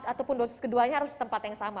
ataupun dosis keduanya harus tempat yang sama